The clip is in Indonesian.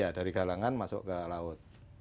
ya dari galangan masuk ke laut